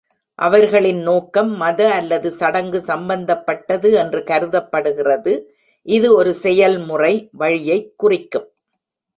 அவர்களின் நோக்கம் மத அல்லது சடங்கு சம்பந்தப்பட்டது என்று கருதப்படுகிறது, இது ஒரு செயல்முறை வழியைக் குறிக்கும்.